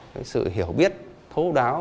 cái sự hiểu biết thố đáo